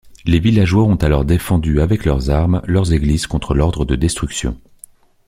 Les villageois ont alors défendu avec les armes leurs églises contre l'ordre de destruction.